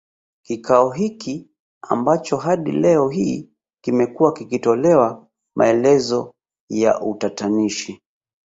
Kikao hiki ambacho hadi leo hii kimekuwa kikitolewa maelezo ya utatanishi